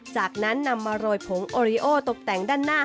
จากนั้นนำมาโรยผงโอริโอตกแต่งด้านหน้า